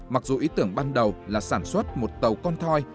mặc dù ý tưởng ban đầu là sản xuất một tàu con thoi